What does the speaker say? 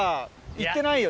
行ってない。